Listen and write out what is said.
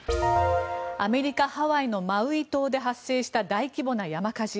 アメリカ・ハワイのマウイ島で発生した大規模な山火事。